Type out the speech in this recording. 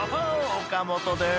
岡本でーす］